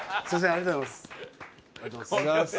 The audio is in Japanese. ありがとうございます。